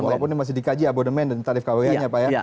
walaupun ini masih dikaji abodemen dan tarif kwh nya pak ya